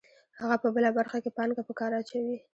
هغه په بله برخه کې پانګه په کار اچوي